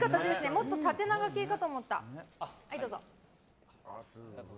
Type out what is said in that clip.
もっと縦長系かと思った。